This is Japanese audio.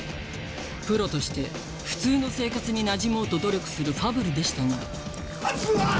プロとして普通の生活になじもうと努力するファブルでしたが熱っ！